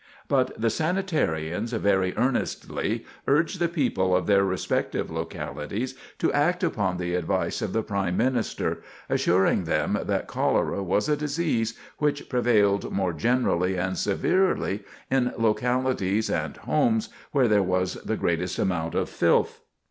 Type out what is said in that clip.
But the sanitarians very earnestly urged the people of their respective localities to act upon the advice of the Prime Minister, assuring them that cholera was a disease which prevailed more generally and severely in localities and homes where there was the greatest amount of "filth."